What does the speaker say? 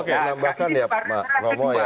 saya mau menambahkan ya pak romo ya